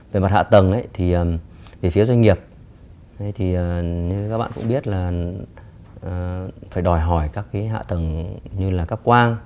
về mặt hạ tầng về phía doanh nghiệp các bạn cũng biết là phải đòi hỏi các hạ tầng như là cấp quang